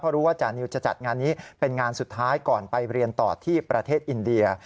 รู้ว่าจานิวจะจัดงานนี้เป็นงานสุดท้ายก่อนไปเรียนต่อที่ประเทศอินเดีย